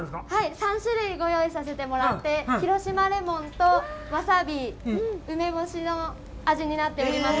３種類ご用意させてもらって、広島レモンとワサビ、梅干しの味になっております。